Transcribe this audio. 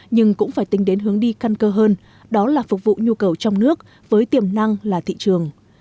nhưng cũng phải tính đến hướng đi căn cơ hơn đó là phục vụ nhu cầu trong nước với tiềm năng là thị trường